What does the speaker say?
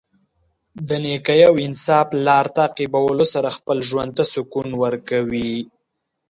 د نېکۍ او انصاف لار تعقیبولو سره خپله ژوند ته سکون ورکوي.